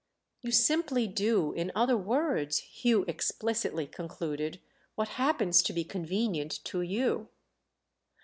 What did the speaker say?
"You simply do, in other words," Hugh explicitly concluded, "what happens to be convenient to you."